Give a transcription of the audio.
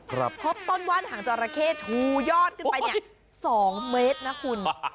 พบต้นว่านหางจราเข้ชูยอดขึ้นไปเนี่ย๒เมตรนะคุณ